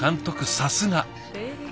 さすが。